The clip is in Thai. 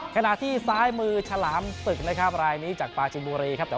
ขณะที่ซ้ายมือฉลามศึกนะครับรายนี้จากปลาจินบุรีครับ